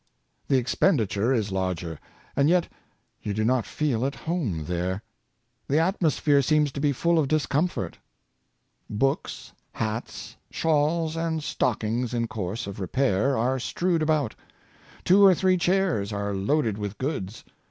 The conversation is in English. The expendi ture is larger, and yet you do not feel "at home" there. The atmosphere seems to be full of discomfort. Books, hats, shawls, and stockings in course of repair, are strewed about. Two or three chairs are loaded with goods.